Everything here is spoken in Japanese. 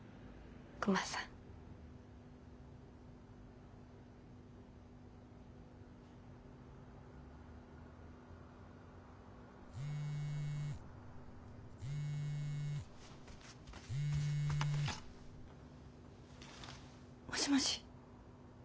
クマさん。もしもし。